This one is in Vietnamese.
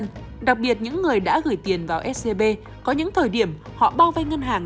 nhưng đặc biệt những người đã gửi tiền vào scb có những thời điểm họ bao vây ngân hàng